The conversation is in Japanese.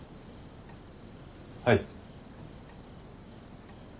はい。